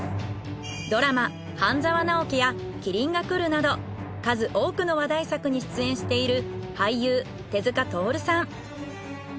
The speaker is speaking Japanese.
ドラマ『半沢直樹』や『麒麟がくる』など数多くの話題作に出演している俳優手塚とおるさん。